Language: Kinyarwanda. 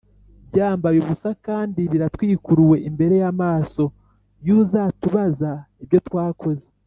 byambaye ubusa kandi biratwikuruwe imbere y amaso y uzatubaza ibyo twakoze